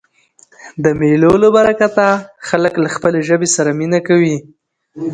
د مېلو له برکته خلک له خپلي ژبي سره مینه کوي.